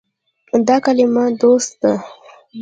دا کلمه “دوست” ده.